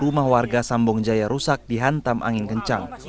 rumah warga sambong jaya rusak dihantam angin kencang